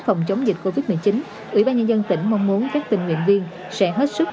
phòng chống dịch covid một mươi chín ủy ban nhân dân tỉnh mong muốn các tình nguyện viên sẽ hết sức